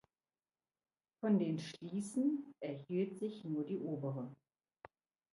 Von den Schließen erhielt sich nur die obere.